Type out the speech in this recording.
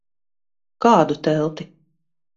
Kādu telti?